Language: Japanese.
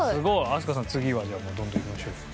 飛鳥さん次はじゃあどんどんいきましょう。